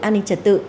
an ninh trật tự